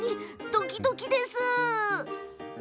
ドキドキです。